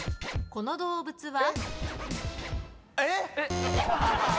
この動物は？